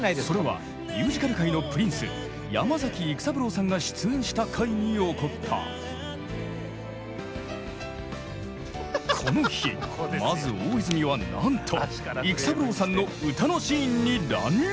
それはミュージカル界のプリンス山崎育三郎さんが出演した回に起こったこの日まず大泉はなんと育三郎さんの歌のシーンに乱入！